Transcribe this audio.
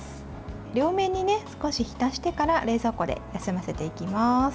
両面に少し浸してから冷蔵庫で休ませていきます。